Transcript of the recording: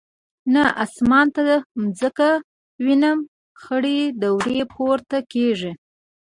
نه اسمان نه مځکه وینم خړي دوړي پورته کیږي